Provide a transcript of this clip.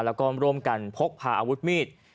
แล้วก็ร่วมกันพกพาอาวุธมีด